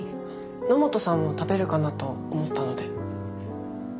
野本さんも食べるかなと思ったので。